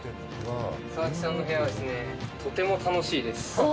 佐々木さんの部屋はですね、とても楽しいです。